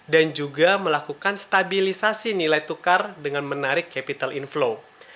dan juga melakukan stabilisasi nilai tukar dengan menarik capital inflow